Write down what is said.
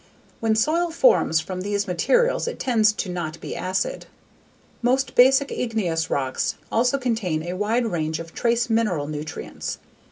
When soil forms from these materials it tends to not be acid. Most basic igneous rocks also contain a wide range of trace mineral nutrients.